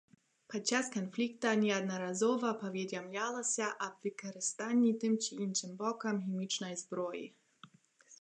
Падчас канфлікта неаднаразова паведамлялася аб выкарыстанні тым ці іншым бокам хімічнай зброі.